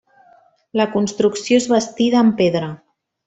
La construcció és bastida amb pedra.